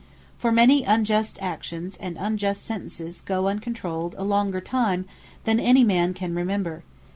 For many unjust Actions, and unjust Sentences, go uncontrolled a longer time, than any man can remember.